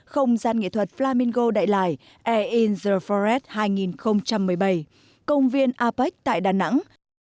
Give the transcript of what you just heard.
không gian nghệ thuật flamingo đại lải air in the forest hai nghìn một mươi bảy công viên apec tại đà nẵng